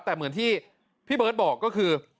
แต่เหมือนที่พี่เบิร์ตบอกก็คือ